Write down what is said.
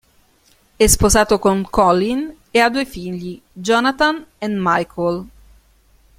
È sposato con Colleen e ha due figli, Jonathan e Michael.